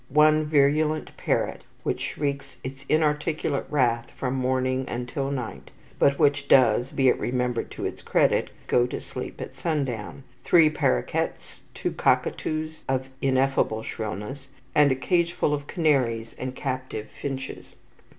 One virulent parrot which shrieks its inarticulate wrath from morning until night, but which does be it remembered to its credit go to sleep at sundown; three paroquets; two cockatoos of ineffable shrillness, and a cageful of canaries and captive finches.